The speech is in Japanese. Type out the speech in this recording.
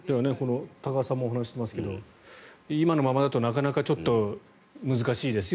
多賀さんもお話してますが今のままだとなかなかちょっと難しいですよ